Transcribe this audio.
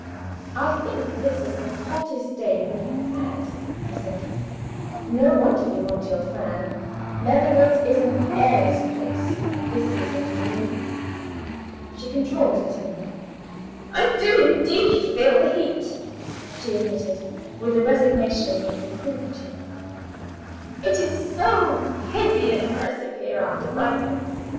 "I think this is the hottest day we have had," he said; "no wonder you want your fan. Netherwoods is an airless place at this season of the year." She controlled her temper. "I do indeed feel the heat," she admitted, with a resignation which gently reproved him; "it is so heavy and oppressive here after Brighton.